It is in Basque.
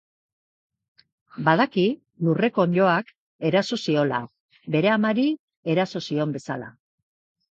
Badaki lurreko onddoak eraso ziola, bere amari eraso zion bezala.